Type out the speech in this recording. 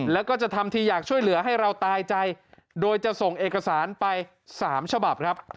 แล้วก็จะทำทีอยากช่วยเหลือให้เราตายใจโดยจะส่งเอกสารไป๓ฉบับครับ